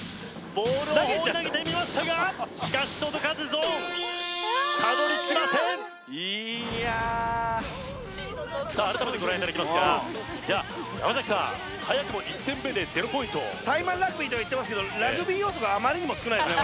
ボールを放り投げてみましたが投げちゃったしかし届かずゾーンたどりつきませんさあ改めてご覧いただきますが山崎さんはやくも１戦目で０ポイントタイマンラグビーとは言ってますけどラグビー要素があまりにも少ないですね